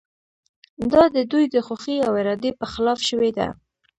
دا د دوی د خوښې او ارادې په خلاف شوې ده.